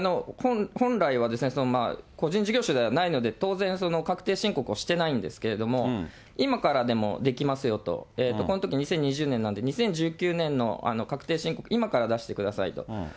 本来は個人事業ではないので、当然、確定申告をしてないんですけれども、今からでもできますよと、このとき２０２０年なんで、２０１９年の確定申告、今から出してくださいと。